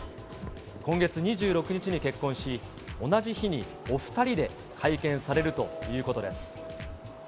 今月２６日に結婚し、同じ日にお２人で会見されるということです。